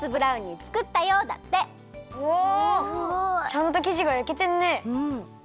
ちゃんときじがやけてんね。